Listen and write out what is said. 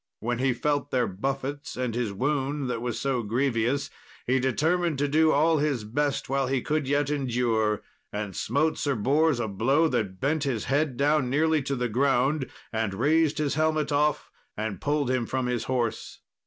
When he felt their buffets, and his wound that was so grievous, he determined to do all his best while he could yet endure, and smote Sir Bors a blow that bent his head down nearly to the ground and razed his helmet off and pulled him from his horse.